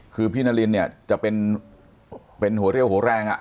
คือพี่นารินเนี่ยจะเป็นหัวเรี่ยวหัวแรง